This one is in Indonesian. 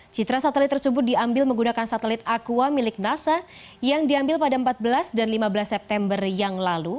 citra satelit tersebut diambil menggunakan satelit aqua milik nasa yang diambil pada empat belas dan lima belas september yang lalu